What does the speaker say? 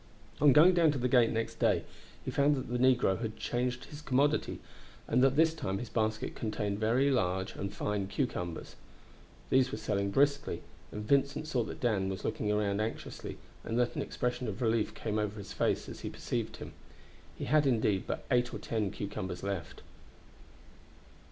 On going down to the gate next day he found that the negro had changed his commodity, and that this time his basket contained very large and fine cucumbers. These were selling briskly, and Vincent saw that Dan was looking round anxiously, and that an expression of relief came over his face as he perceived him. He had, indeed, but eight or ten cucumbers left.